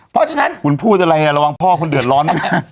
เพราะฉะนั้นผมพูดอะไรคะระวังพ่อคนเดือดร้อน